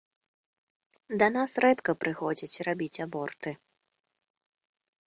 Да нас рэдка прыходзяць рабіць аборты.